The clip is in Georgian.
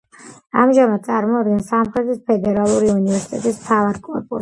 ამჟამად წარმოადგენს სამხრეთის ფედერალური უნივერსიტეტის მთავარ კორპუსს.